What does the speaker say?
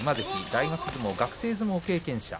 大学相撲学生相撲経験者。